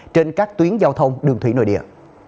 trên các tuyến giao thông đường thủy nội địa